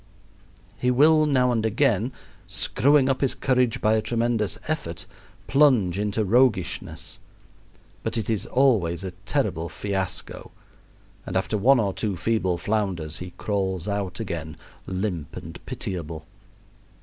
He will now and again, screwing up his courage by a tremendous effort, plunge into roguishness. But it is always a terrible fiasco, and after one or two feeble flounders he crawls out again, limp and pitiable.